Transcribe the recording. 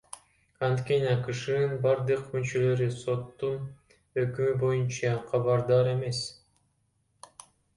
Анткени АШКнын бардык мүчөлөрү соттун өкүмү боюнча кабардар эмес.